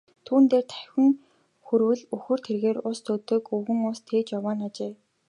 Түүн дээр давхин хүрвэл үхэр тэргээр ус зөөдөг өвгөн ус тээж яваа нь ажээ.